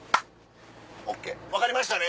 ＯＫ分かりましたね？